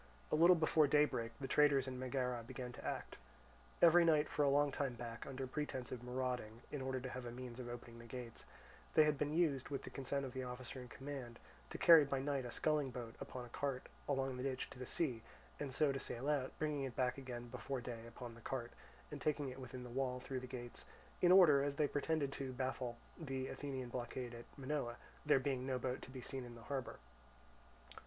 A little before daybreak, the traitors in Megara began to act. Every night for a long time back, under pretence of marauding, in order to have a means of opening the gates, they had been used, with the consent of the officer in command, to carry by night a sculling boat upon a cart along the ditch to the sea, and so to sail out, bringing it back again before day upon the cart, and taking it within the wall through the gates, in order, as they pretended, to baffle the Athenian blockade at Minoa, there being no boat to be seen in the harbour.